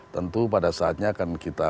tentu pada saatnya akan kita